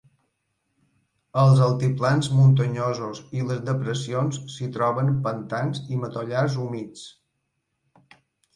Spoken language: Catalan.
Als altiplans muntanyosos i les depressions s'hi troben pantans i matollars humits.